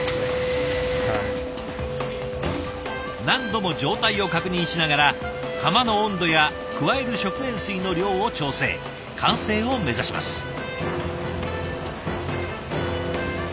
何度も状態を確認しながら釜の温度や加える食塩水の量を調整完成を目指します。